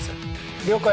了解。